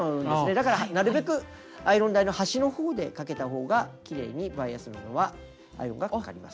だからなるべくアイロン台の端のほうでかけたほうがきれいにバイアス布はアイロンがかかります。